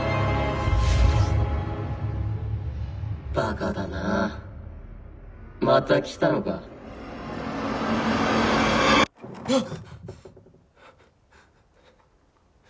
バカだなまた来たのかはっ